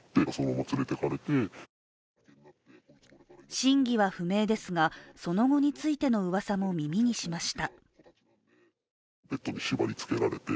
真偽は不明ですが、その後についてのうわさも耳にしました。